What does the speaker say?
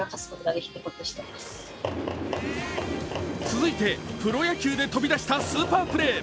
続いて、プロ野球で飛び出したスーパープレー。